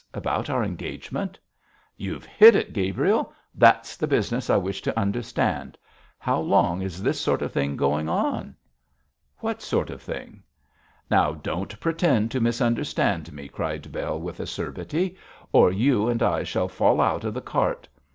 About our engagement?' 'You've hit it, Gabriel; that's the business I wish to understand. How long is this sort of thing going on?' 'What sort of thing?' 'Now, don't pretend to misunderstand me,' cried Bell, with acerbity, 'or you and I shall fall out of the cart.